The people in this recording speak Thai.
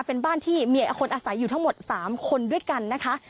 เป็นบ้านที่มีคนอาศัยอยู่ทั้งหมด๓คนด้วยกันนะคะ